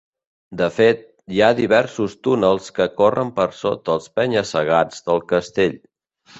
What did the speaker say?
De fet, hi ha diversos túnels que corren per sota els penya-segats del castell.